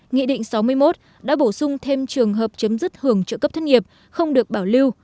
nghị định sáu mươi một đã bổ sung thêm trường hợp chấm dứt hưởng trợ cấp thất nghiệp không được bảo lưu